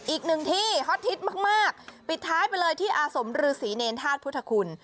อีกหนึ่งที่ฮอตฮิตมากปิดท้ายไปเลยที่อาสมฤษีเนรธาตุพุทธคุณ